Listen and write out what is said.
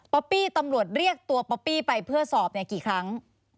ปี้ตำรวจเรียกตัวป๊อปปี้ไปเพื่อสอบกี่ครั้ง